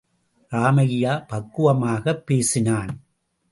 ராமையா, பக்குவமாகப் பேசினான்.